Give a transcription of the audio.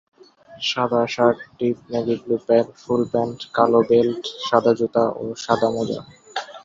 সাদা shirt, deep navy blue full pant, কালো belt, সাদা জুতা ও সাদা মোজা।